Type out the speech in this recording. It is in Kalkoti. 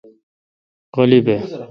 غلی بھ۔